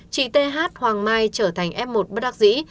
chị t h hoàng mai trở thành f một bất đắc dĩ